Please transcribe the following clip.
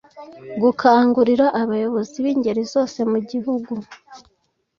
gukangurira abayobozi b'ingeri zose mu gihugu